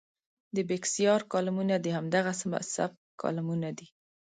د بېکسیار کالمونه د همدغه سبک کالمونه دي.